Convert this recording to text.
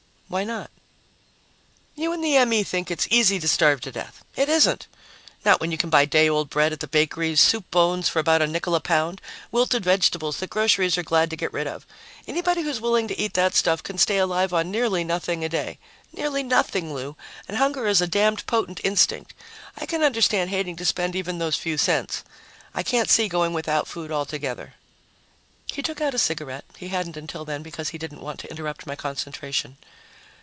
"Why not?" "You and the M.E. think it's easy to starve to death. It isn't. Not when you can buy day old bread at the bakeries, soup bones for about a nickel a pound, wilted vegetables that groceries are glad to get rid of. Anybody who's willing to eat that stuff can stay alive on nearly nothing a day. Nearly nothing, Lou, and hunger is a damned potent instinct. I can understand hating to spend even those few cents. I can't see going without food altogether." He took out a cigarette; he hadn't until then because he didn't want to interrupt my concentration.